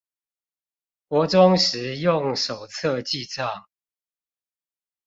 國中時用手冊記帳